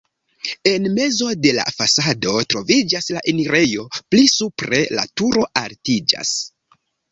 En mezo de la fasado troviĝas la enirejo, pli supre la turo altiĝas.